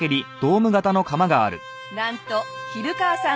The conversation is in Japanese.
なんと比留川さん